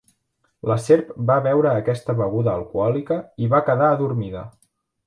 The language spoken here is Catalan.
La serp va beure aquesta beguda alcohòlica i va quedar adormida.